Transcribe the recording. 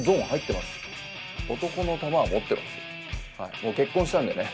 もう結婚したんでね